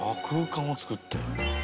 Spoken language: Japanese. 空間を作って。